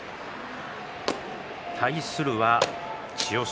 対するは千代翔